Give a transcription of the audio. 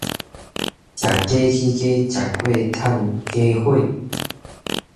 食雞起家，食粿賺家伙